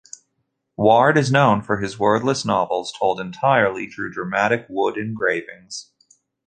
Ward is known for his wordless novels told entirely through dramatic wood engravings.